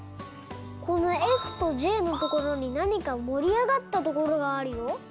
このｆとｊのところになにかもりあがったところがあるよ。